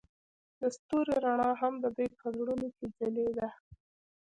د ستوري رڼا هم د دوی په زړونو کې ځلېده.